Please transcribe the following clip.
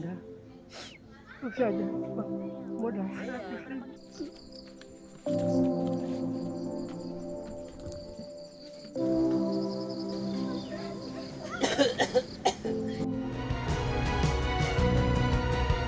diyawari ikut yang benar ya